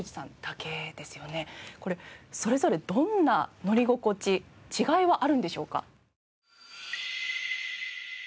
これそれぞれどんな乗り心地違いはあるのでしょうか？